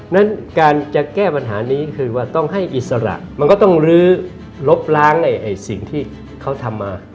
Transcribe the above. นั้นการจะแก้ปัญหานี้คือว่าต้องให้อิสระมันก็ต้องลื้อลบล้างสิ่งที่เขาทำมา